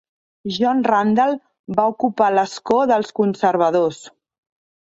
John Randall va ocupar l'escó dels Conservadors.